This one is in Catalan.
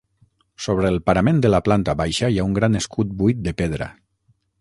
Sobre el parament de la planta baixa hi ha un gran escut buit de pedra.